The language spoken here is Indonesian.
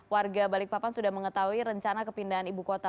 warga balikpapan sudah mengetahui rencana kepindahan ibu kota